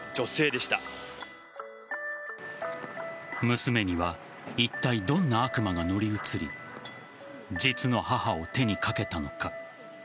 娘には、いったいどんな悪魔が乗り移り実の母を手にかけたのか。